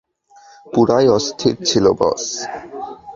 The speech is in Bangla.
পুরাই অস্থির ছিল বস।